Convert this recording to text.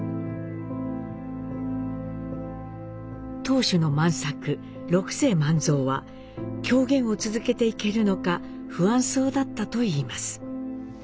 当主の万作六世万蔵は狂言を続けていけるのか不安そうだったといいます。